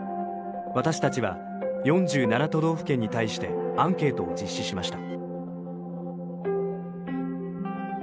私たちは４７都道府県に対してアンケートを実施しました。